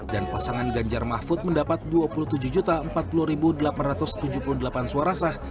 dan pasangan ganjar mahfud mendapat dua puluh tujuh empat puluh delapan ratus tujuh puluh delapan suara sah